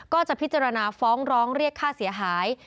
ก็จะพิจารณาฟ้องร้องเรียกค่าเสียหาย